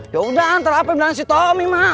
ya udah antar api bilang si tomi ma